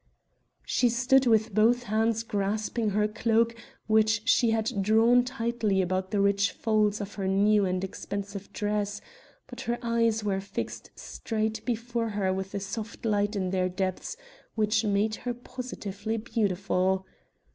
She stood with both hands grasping her cloak which she had drawn tightly about the rich folds of her new and expensive dress; but her eyes were fixed straight before her with a soft light in their depths which made her positively beautiful.